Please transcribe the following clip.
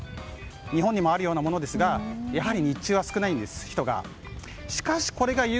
日本にもあるようなものですがやはり日中は少ないんです。